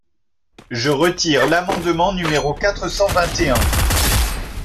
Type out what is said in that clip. Je retire l’amendement numéro quatre cent vingt et un.